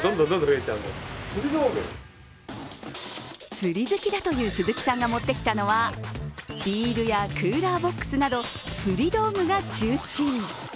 釣り好きだという鈴木さんが持ってきたのはリールやクーラーボックスなど、釣り道具が中心。